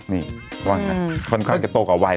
นี่ว่าไงค่อนข้างจะโตกว่าวัย